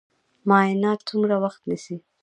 معاینات څومره وخت نیسي؟